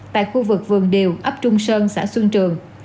tại khu vực vườn điều ấp trung sơn xã xuân trường